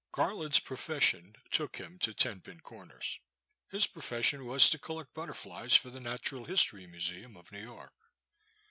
GARLAND'S profession took him to Ten Pin Comers. His profession was to collect butterflies for the Natural History Mu seum of New York.